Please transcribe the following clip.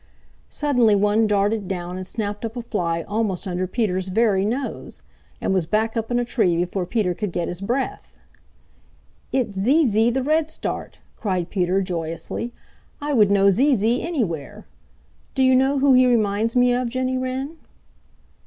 Suddenly one darted down and snapped up a fly almost under Peter's very nose and was back up in a tree before Peter could get his breath. "It's Zee Zee the Redstart!" cried Peter joyously. "I would know Zee Zee anywhere. Do you know who he reminds me of, Jenny Wren?"